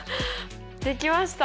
できました。